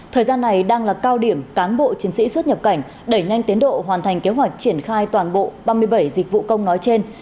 thời gian này đang là cao điểm cán bộ chiến sĩ xuất nhập cảnh đẩy nhanh tiến độ hoàn thành kế hoạch triển khai toàn bộ ba mươi bảy dịch vụ công nói trên